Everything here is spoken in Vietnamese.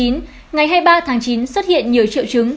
ngày hai mươi ba tháng chín xuất hiện nhiều triệu chứng